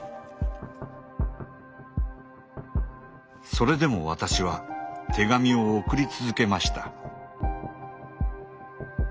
それでも私は手紙を送り続けました。